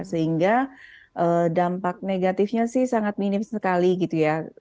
sehingga dampak negatifnya sih sangat minim sekali gitu ya